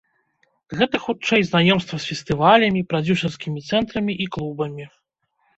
Гэта, хутчэй, знаёмства з фестывалямі, прадзюсарскімі цэнтрамі і клубамі.